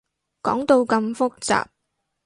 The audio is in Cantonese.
講到咁複雜